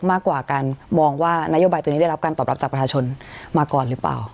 มากกว่าการมองว่านโยบายตัวนี้ได้รับการตอบรับจากประชาชนมาก่อนหรือเปล่า